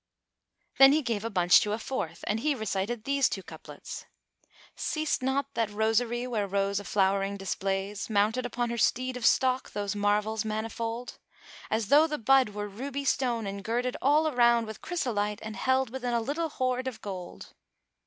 Then he gave a bunch to a fourth and he recited these two couplets, "Seest not that rosery where Rose a flowering displays * Mounted upon her steed of stalk those marvels manifold? As though the bud were ruby stone and girded all around * With chrysolite and held within a little hoard of gold."